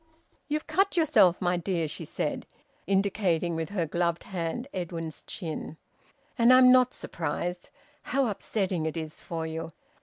"You've cut yourself, my dear," she said, indicating with her gloved hand Edwin's chin. "And I'm not surprised. How upsetting it is for you!